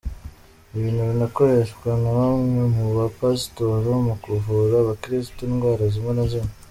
Ibi binakoreshwa na bamwe mu ba pasitori mu kuvura abakirisitu indwara zimwe na zimwe.